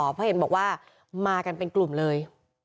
เพราะเห็นบอกว่ามากันเป็นกลุ่มเลย